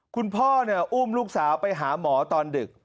คุณพ่ออุ้มลูกสาวไปหาหมอตอนดึก